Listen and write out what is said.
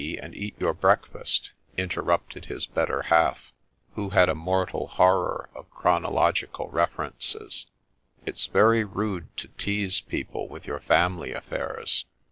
and eat your breakfast !' interrupted his better half, who had a mortal horror of chrono logical references ;' it 's very rude to tease people with your family affairs.'